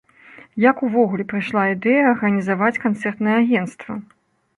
Як увогуле прыйшла ідэя арганізаваць канцэртнае агенцтва?